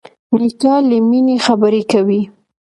نیکه له مینې خبرې کوي.